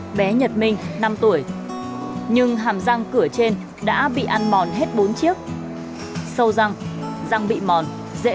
bé nhật minh năm tuổi nhưng hàm răng cửa trên đã bị ăn mòn hết bốn chiếc sâu răng răng bị mòn dễ